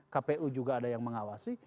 kpu juga ada yang mengawasi